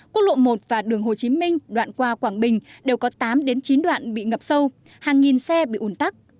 quốc lộ một và đường hồ chí minh đoạn qua quảng bình đều có tám đến chín đoạn bị ngập sâu hàng nghìn xe bị ủn tắc